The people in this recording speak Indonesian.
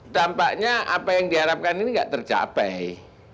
tampaknya apa yang diharapkan ini nggak tercapai